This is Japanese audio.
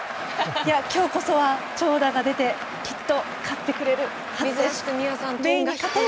今日こそは長打が出てきっと勝ってくれるはずです。